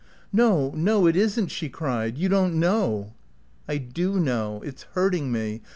"No, no, it isn't," she cried. "You don't know." "I do know. It's hurting me.